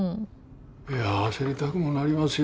いや焦りたくもなりますよ。